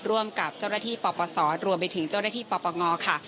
ร่วมกับเจ้าหน้าที่ปปศรวมไปถึงเจ้าหน้าที่ปปงค่ะ